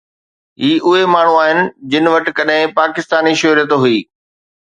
هي اهي ماڻهو آهن جن وٽ ڪڏهن پاڪستاني شهريت هئي